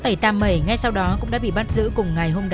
tẩy tam mẩy ngay sau đó cũng đã bị bắt giữ cùng ngày hôm đó